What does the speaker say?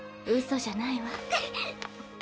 ウソじゃないわ。